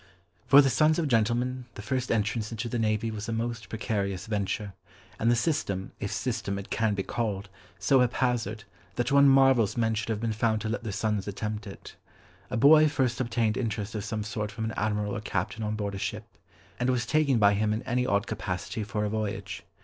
For the sons of gentlemen, the first entrance into the navy was a most precarious venture, and the system, if system it can be called, so haphazard, that one marvels men should have been found to let their sons attempt it. A boy first obtained interest of some sort from an admiral or captain on board a ship, and was taken by him in any odd capacity for a voyage.